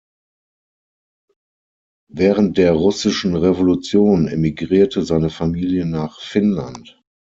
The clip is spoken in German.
Während der russischen Revolution emigrierte seine Familie nach Finnland.